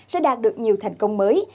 sẽ đạt được nhiều thành công mới